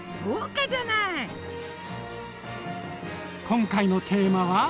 今回のテーマは。